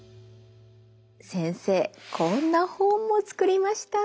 先生こんな本も作りました。